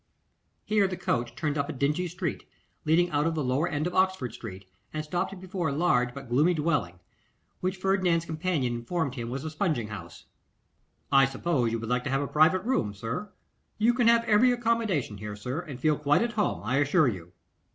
Here the coach turned up a dingy street, leading out of the lower end of Oxford street, and stopped before a large but gloomy dwelling, which Ferdinand's companion informed him was a spunging house. 'I suppose you would like to have a private room, sir; you can have every accommodation here, sir, and feel quite at home, I assure you.